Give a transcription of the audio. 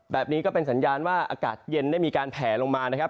แบบนี้ก็เป็นสัญญาณว่าอากาศเย็นได้มีการแผลลงมานะครับ